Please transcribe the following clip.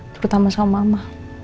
terutama sama mama